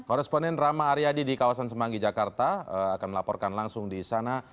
koresponen rama aryadi di kawasan semanggi jakarta akan melaporkan langsung di sana